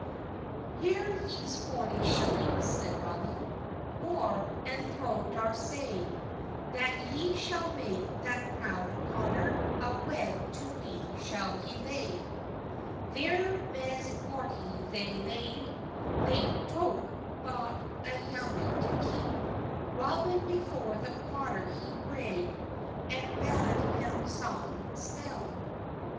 "Her ys forty shillings," seyde Roben, "Mor, and thow dar say, That y schall make that prowde potter, A wed to me schall he ley." Ther thes money they leyde, They toke bot a yeman to kepe; Roben befor the potter he breyde, And bad hem stond stell.